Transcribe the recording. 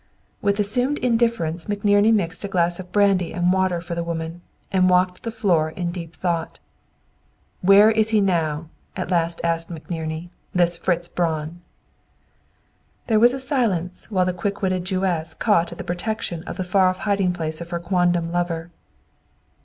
With assumed indifference, McNerney mixed a glass of brandy and water for the woman, and walked the floor in deep thought. "Where is he now?" at last asked McNerney. "This Fritz Braun!" There was a silence while the quick witted Jewess caught at the protection of the far off hiding place of her quandam lover.